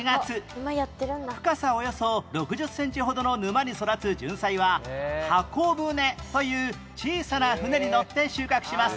深さおよそ６０センチほどの沼に育つじゅんさいは箱舟という小さな舟に乗って収穫します